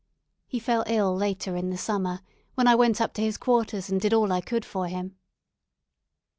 He fell ill later in the summer, when I went up to his quarters and did all I could for him.